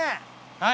はい。